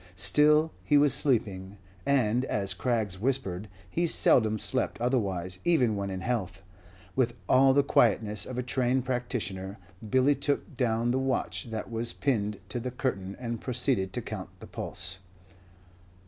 Still he was sleeping; and, as Craggs whispered, he seldom slept otherwise, even when in health. With all the quietness of a trained practitioner, Billy took down the watch that was pinned to the curtain and proceeded to count the pulse.